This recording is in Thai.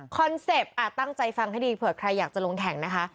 เซ็ปต์ตั้งใจฟังให้ดีเผื่อใครอยากจะลงแข่งนะคะ